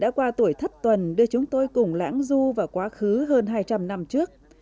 đã qua tuổi thất tuần đưa chúng tôi cùng lãng du vào quá khứ hơn hai trăm linh năm trước